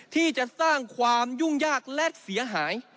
ที่จะสร้างความยุ่งยากและเสียหาย